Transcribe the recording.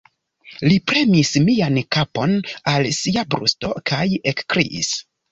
Li premis mian kapon al sia brusto kaj ekkriis: